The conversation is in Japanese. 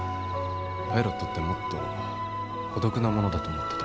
パイロットってもっと孤独なものだと思ってた。